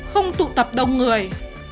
không tụ tập đông người